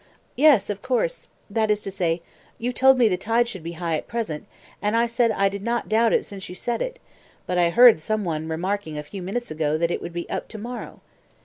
"Yes, of course, that is to say you told me the tide should be high at present, and I said I did not doubt it since you said it; but I heard some one remarking a few minutes ago that it would be up to morrow."